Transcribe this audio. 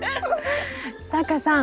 タカさん